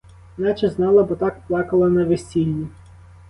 Наче знала, бо так плакала на весіллі.